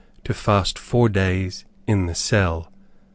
To fast four days, in the cell.